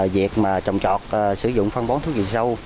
việc trồng trọt sử dụng phân bón thuốc dịu sâu